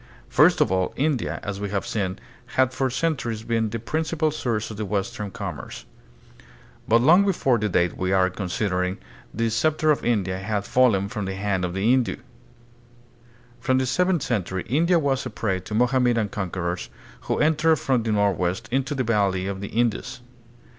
First of all, India, as we have seen, had for centuries been the prin cipal source of the western commerce. But long before the date we are considering, the scepter of India had fallen from the hand of the Hindu. From the seventh century, India was a prey to Mohammedan conquerors, who entered from the northwest into the valley of the Indus.